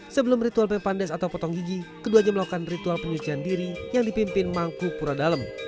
sebelum ritual mepandes atau potong gigi keduanya melakukan ritual penyucian diri yang dipimpin mangku pura dalem